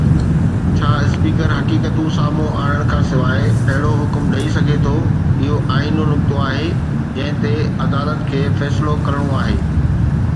ڇا اسپيڪر حقيقتون سامهون آڻڻ کانسواءِ اهڙو حڪم ڏئي سگهي ٿو؟ اهو آئيني نقطو آهي جنهن تي عدالت کي فيصلو ڪرڻو آهي.